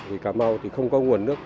thì cà mau thì không có nguồn nước